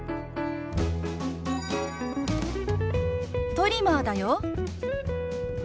トリマーだよ。